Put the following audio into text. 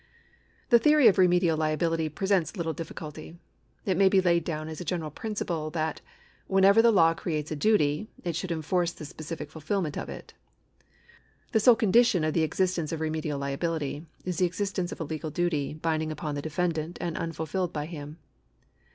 The theory of remedial liability presents little difficulty. It may be laid down as a general principle, that, whenever the law creates a duty, it should enforce the specific fulfilment of it. The sole condition of the existence of remedial liability is the existence of a legal duty binding upon the defendant and unfulfilled by him.